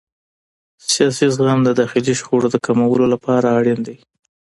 سیاسي زغم د داخلي شخړو د کمولو لپاره اړین دی